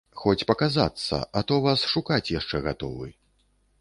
Хоць паказацца, а то вас шукаць яшчэ гатовы.